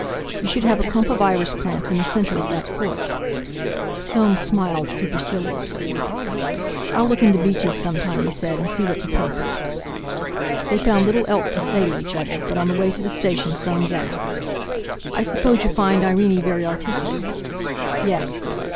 "You should have a clump of iris plants in the centre of that court." Soames smiled superciliously. "I'll look into Beech's some time," he said, "and see what's appropriate!" They found little else to say to each other, but on the way to the Station Soames asked: "I suppose you find Irene very artistic." "Yes."